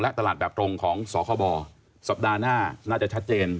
เราต้องรวดลวม